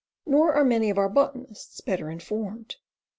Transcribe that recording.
Nor are many of our botanists better informed.